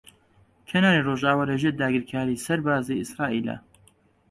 کەناری ڕۆژاوا لەژێر داگیرکاریی سەربازیی ئیسرائیلە.